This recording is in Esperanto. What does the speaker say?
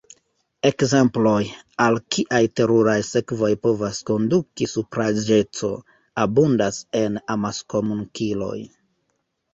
Ekzemploj, al kiaj teruraj sekvoj povas konduki supraĵeco, abundas en amaskomunikiloj.